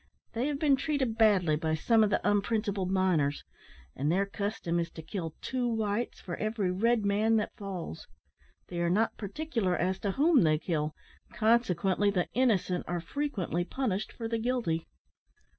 They have been treated badly by some of the unprincipled miners; and their custom is to kill two whites for every red man that falls. They are not particular as to whom they kill, consequently the innocent are frequently punished for the guilty."